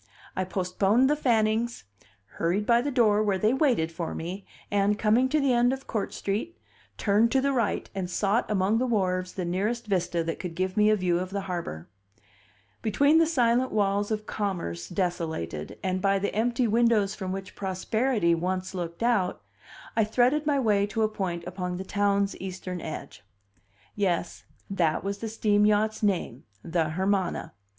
I postponed the Fannings, hurried by the door where they waited for me, and, coming to the end of Court Street, turned to the right and sought among the wharves the nearest vista that could give me a view of the harbor. Between the silent walls of commerce desolated, and by the empty windows from which Prosperity once looked out, I threaded my way to a point upon the town's eastern edge. Yes, that was the steam yacht's name: the Hermana.